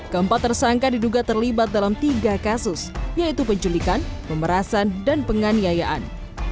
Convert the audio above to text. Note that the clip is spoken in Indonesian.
keempat tersangka diduga terlibat dalam tiga kasus yaitu penculikan pemerasan dan penganiayaan